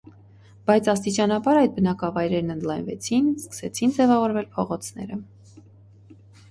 Բայց աստիճանաբար այդ բնակավայրերն ընդլայնվեցին, սկսեցին ձևավորվել փողոցները։